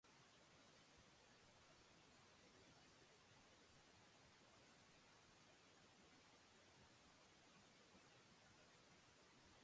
Ez aurreratu egoerei, onartu etortzen diren moduan.